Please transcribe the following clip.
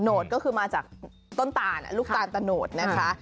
โหดก็คือมาจากต้นตาลลูกตาลตะโนดนะคะ